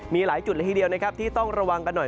มีหลายจุดละทีเดียวนะครับที่ต้องระวังกันหน่อย